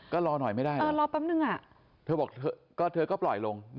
ก็รอหน่อยไม่ได้รอแป๊บนึงเธอบอกเธอก็ปล่อยลง